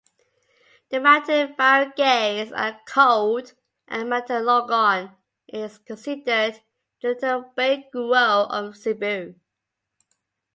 The mountain barangays are cold and Mantalongon is considered the "Little Baguio of Cebu".